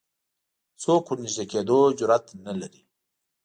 څوک ورنژدې کېدو جرئت نه لري